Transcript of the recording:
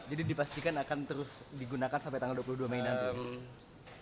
jadi dipastikan akan terus digunakan sampai tanggal dua puluh dua mei nanti